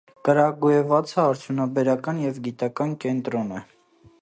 Կրագուևացը արդյունաբերական և գիտական կենտրոն է։